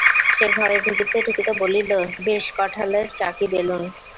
সে ঘরে ঢুকিতে ঢুকিতে বলিল, বেশ কঁঠালের চাকি-বেলুন।